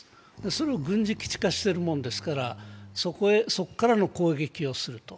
それを軍事基地化しているもんですからそこからの攻撃をすると。